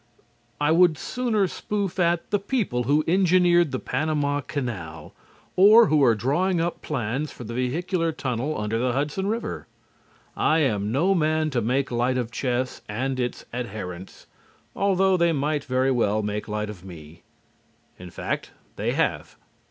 I would sooner spoof at the people who engineered the Panama Canal or who are drawing up plans for the vehicular tunnel under the Hudson River. I am no man to make light of chess and its adherents, although they might very well make light of me. In fact, they have.